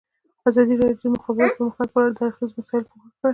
ازادي راډیو د د مخابراتو پرمختګ په اړه د هر اړخیزو مسایلو پوښښ کړی.